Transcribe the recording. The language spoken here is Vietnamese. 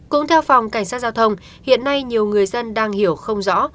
cũng theo phòng cảnh sát giao thông hiện nay nhiều người dân đang hiểu không rõ